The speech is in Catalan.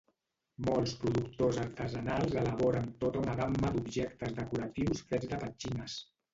Molts productors artesanals elaboren tota una gamma d'objectes decoratius fets de petxines.